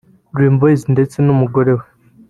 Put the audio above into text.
Dream Boys ndetse n’umugore we